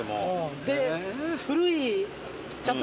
で古い。